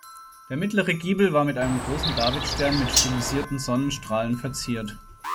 Der mittlere Giebel war mit einem großen Davidstern mit stilisierten Sonnenstrahlen verziert.